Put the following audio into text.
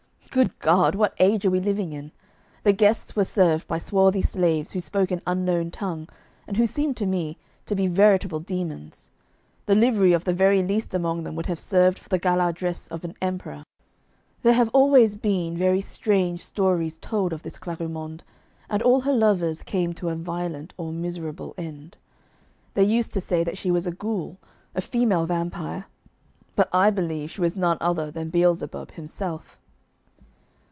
Good God, what age are we living in? The guests were served by swarthy slaves who spoke an unknown tongue, and who seemed to me to be veritable demons. The livery of the very least among them would have served for the gala dress of an emperor. There have always been very strange stories told of this Clarimonde, and all her lovers came to a violent or miserable end. They used to say that she was a ghoul, a female vampire; but I believe she was none other than Beelzebub himself.